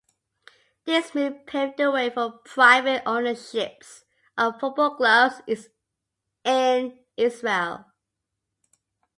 This move paved the way for private ownerships of football clubs in Israel.